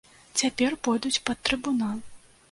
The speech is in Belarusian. Цяпер пойдуць пад трыбунал.